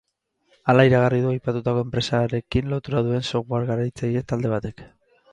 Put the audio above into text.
Hala iragarri du aipatutako enpresarekin lotura duen software garatzaile talde batek.